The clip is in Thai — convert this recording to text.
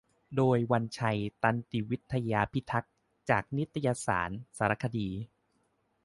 โดย วันชัย ตันติวิทยาพิทักษ์ จากนิตยสาร สารคดี